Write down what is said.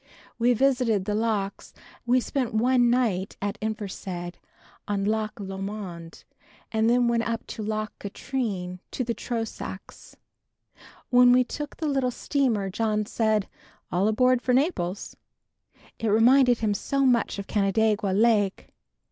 We visited the Lochs and spent one night at Inversnaid on Loch Lomond and then went on up Loch Katrine to the Trossachs. When we took the little steamer, John said, "All aboard for Naples," it reminded him so much of Canandaigua Lake.